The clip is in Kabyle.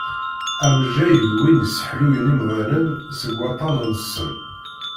Amejjay d win yesseḥluyen imdanen seg waṭṭan-nsen.